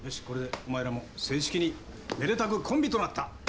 これでお前らも正式にめでたくコンビとなった。